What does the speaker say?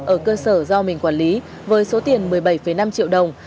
ở cơ sở do mình quản lý với số tiền một mươi bảy năm triệu đồng